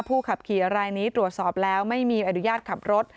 ขับขี่อะไรนี้ตรวจสอบแล้วไม่มีอนุญาตขับรถ